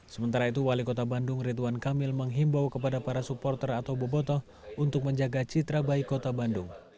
sementara itu wali kota bandung ridwan kamil menghimbau kepada para supporter atau bobotoh untuk menjaga citra baik kota bandung